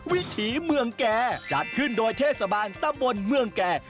วิถีเมืองแก่จัดขึ้นโดยเทศบาลตำบลเมืองแก่